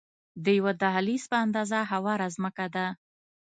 د یوه دهلیز په اندازه هواره ځمکه ده.